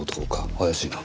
怪しいな。